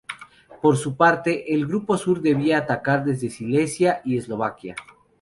Por su parte, el Grupo Sur debía atacar desde Silesia y Eslovaquia.